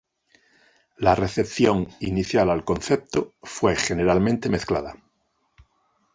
La recepción inicial al concepto fue generalmente mezclada.